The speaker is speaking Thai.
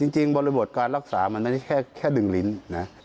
บริบทการรักษามันไม่ได้แค่ดึงลิ้นนะ